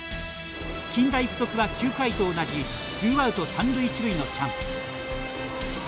近大付属は９回と同じツーアウト三塁一塁のチャンス。